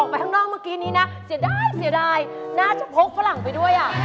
เมื่อกี้นี้นะเสียดายน่าจะพกฝรั่งไปด้วย